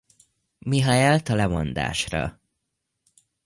Mikhaélt a lemondásra.